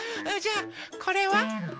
あっじゃあこれは？